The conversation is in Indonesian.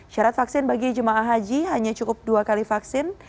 syarat vaksin bagi jemaah haji hanya cukup dua kali vaksin